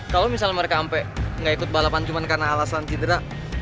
kalau misalnya mereka sampai nggak ikut balapan cuma karena alasan cedera